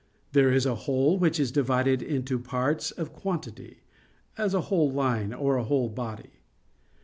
There is a whole which is divided into parts of quantity, as a whole line, or a whole body.